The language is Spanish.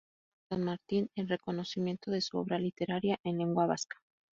Otorgado a Juan San Martín en reconocimiento de su obra literaria en lengua vasca.